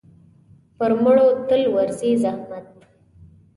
پر مړو تل ورځي زحمت.